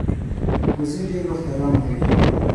وزې ډېر وخت آرامه وي